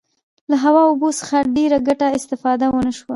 له هوا او اوبو څخه ډیره ګټوره استفاده وشوه.